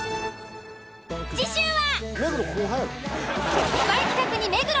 次週は。